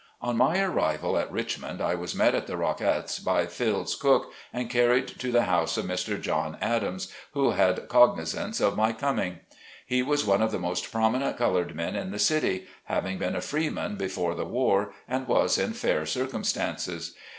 On my arrival at Richmond I was met at the Rocketts, by Filds Cook, and carried to the house of Mr. John Adams, who had cognizance of my coming. He was one of the most prominent col ored men in the city, having been a freeman before the war, and was in fair circumstances.